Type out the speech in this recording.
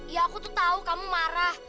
ya aku tuh tahu kamu marah